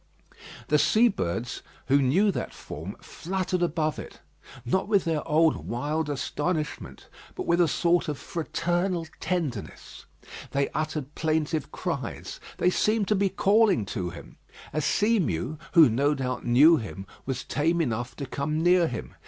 The sea birds, who knew that form, fluttered above it; not with their old wild astonishment, but with a sort of fraternal tenderness. They uttered plaintive cries: they seemed to be calling to him. A sea mew, who no doubt knew him, was tame enough to come near him.